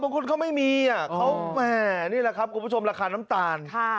บางคนเขาไม่มีนี่แหละครับคุณผู้ชมราคาน้ำตาล